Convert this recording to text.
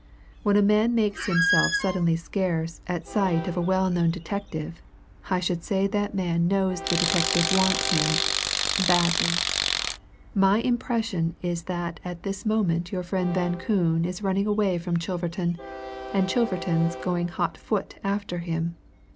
When a man makes himself suddenly scarce at sight of a well known detective, I should say that man knows the detective wants him badly! My impression is that at this moment your friend Van Koon is running away from Chilverton, and Chilverton's going hot foot after him.